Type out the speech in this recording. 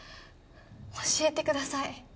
教えてください